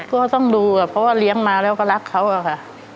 ก็ต้องดูเพราะว่าเลี้ยงมาแล้วก็รักเขาอะค่ะ